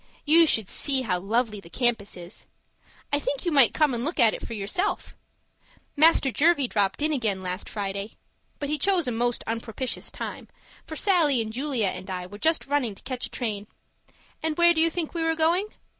You should see how lovely the campus is. I think you might come and look at it for yourself. Master Jervie dropped in again last Friday but he chose a most unpropitious time, for Sallie and Julia and I were just running to catch a train. And where do you think we were going?